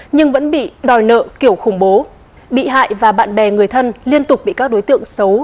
nhưng vẫn bị đòi nợ kiểu khủng bố bị hại và bạn bè người thân liên tục bị các đối tượng xấu